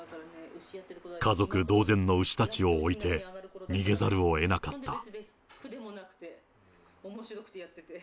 家族同然の牛たちを置いて、逃げざるをえなかった。